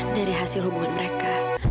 dari hasil hubungan mereka